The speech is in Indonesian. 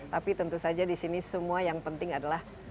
tapi tentu saja di sini semua yang penting adalah